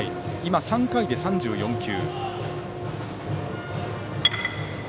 ３回で３４球。